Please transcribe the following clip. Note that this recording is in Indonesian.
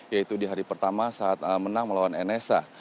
yaitu di hari pertama saat menang melawan nsa